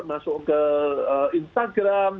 masuk ke instagram